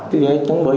thì ấy chống bấy